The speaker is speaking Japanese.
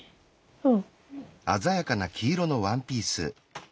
うん。